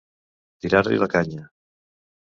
Tirar-li la canya.